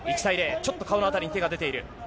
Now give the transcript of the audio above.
ちょっと顔の辺りに手が出ている。